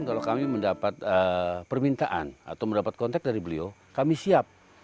kalau kami mendapat permintaan atau mendapat kontak dari beliau kami siap